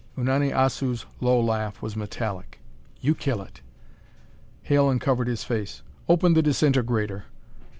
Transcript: Unani Assu's low laugh was metallic. "You kill it." Hale uncovered his face. "Open the disintegrator."